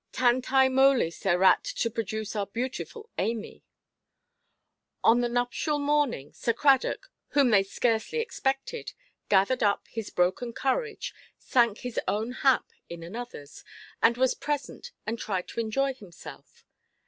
"Tantæ molis erat to produce our beautiful Amy". On the nuptial morning, Sir Cradock, whom they scarcely expected, gathered up his broken courage, sank his own hap in anotherʼs, and was present and tried to enjoy himself.